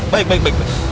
baik baik baik